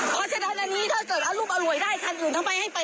ผิดกฎหมาย